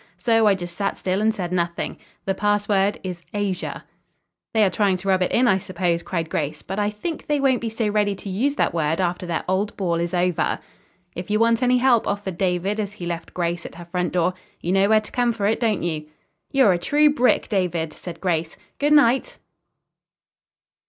So I just sat still and said nothing. The password is 'Asia.'" "They are trying to rub it in, I suppose," cried Grace. "But I think they won't be so ready to use that word after their old ball is over." "If you want any help," offered David as he left Grace at her front door, "you know where to come for it, don't you?" "You're a true brick, David!" said Grace. "Good night."